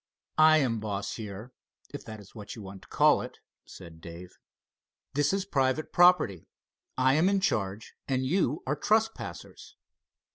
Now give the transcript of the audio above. "I am boss here, if that is what you want to call it," said Dave. "This is private property, I am in charge, and you are trespassers.